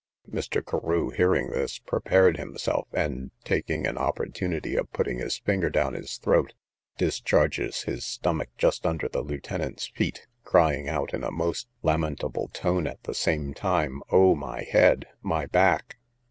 Mr. Carew, hearing this, prepared himself, and, taking an opportunity of putting his finger down his throat, discharges his stomach just under the lieutenant's feet, crying out in a most lamentable tone at the same time, O, my head! O my back!